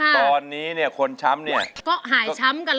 ก็หายช้ำกันแล้วก็กลับบ้าน